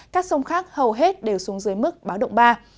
các sông khác hầu hết đều xuống dưới mức báo động ba